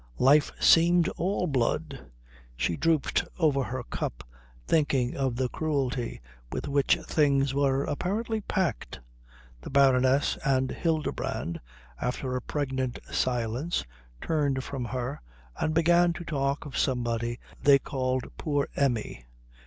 Life seemed all blood. She drooped over her cup, thinking of the cruelty with which things were apparently packed. The Baroness and Hildebrand, after a pregnant silence, turned from her and began to talk of somebody they called poor Emmi.